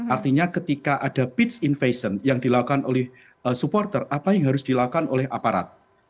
artinya ketika ada peach invation yang dilakukan oleh supporter apa yang harus dilakukan oleh aparat